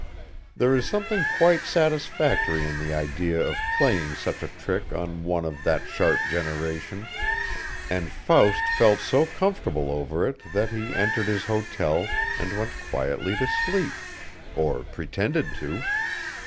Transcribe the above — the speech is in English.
There is something quite satisfactory in the idea of playing such a trick on one of that sharp generation, and Faust felt so comfortable over it that he entered his hotel and went quietly to sleep or pretended to.